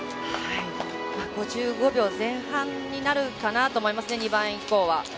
５５秒前半になるかなと思いますね、２番以降は。